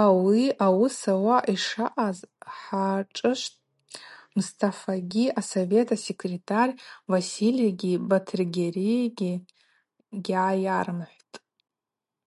Ауи ауыс ауаса йшаъаз Хӏашӏышвт Мстафагьи асовет асекретар Васильгьи Батыргьари йыгьгӏайарымхӏвтӏ.